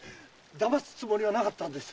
だますつもりはなかったんです。